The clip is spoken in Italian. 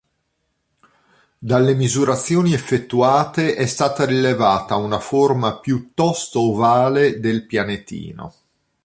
Dalle misurazioni effettuate è stata rilevata una forma piuttosto ovale del pianetino.